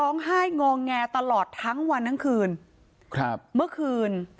งองแงตลอดทั้งวันทั้งคืนเมื่อคืน